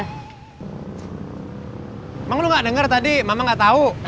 emang lo enggak dengar tadi mama enggak tahu